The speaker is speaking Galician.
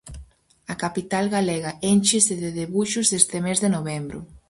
A capital galega énchese de debuxos este mes de novembro.